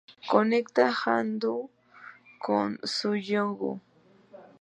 Conecta Haeundae-gu con Suyeong-gu.